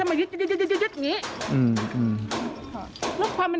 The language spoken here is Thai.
มันพยายามบอกทุกอย่าง